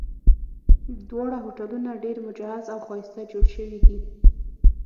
دواړه هوټلونه ډېر مجهز او ښایسته جوړ شوي دي.